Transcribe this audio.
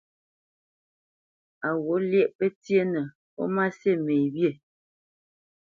Á ghût lyéʼ pətyénə ó má sí me wyê?